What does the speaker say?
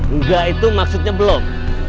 enggak itu maksudnya belum